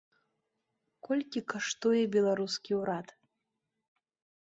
Колькі каштуе беларускі ўрад?